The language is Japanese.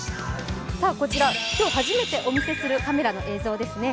こちら今日初めてお見せするカメラの映像ですね。